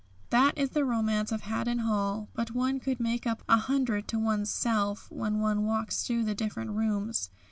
"That is the romance of Haddon Hall, but one could make up a hundred to oneself when one walks through the different rooms.